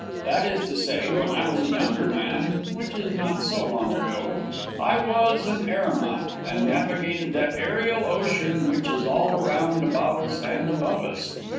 That is to say, when I was a younger man (which is not so long ago) I was an aeronaut and navigated that aerial ocean which is all around about us and above us.